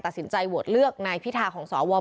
ทางคุณชัยธวัดก็บอกว่าการยื่นเรื่องแก้ไขมาตรวจสองเจน